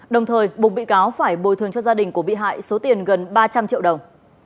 đồng thời buộc bị cáo phải bồi thường cho gia đình của bị hại số tiền gần ba trăm linh triệu đồng